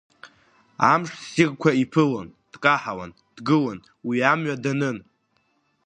Амш ссирқәа иԥылон, дкаҳауан, дгылон, уи амҩа данын.